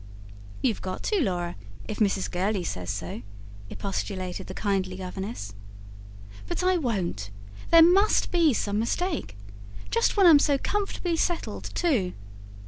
"You've got to, Laura, if Mrs. Gurley says so," expostulated the kindly governess. "But I won't! There MUST be some mistake. Just when I'm so comfortably settled, too.